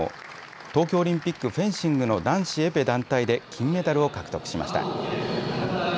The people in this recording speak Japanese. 東京オリンピックフェンシングの男子エペ団体で金メダルを獲得しました。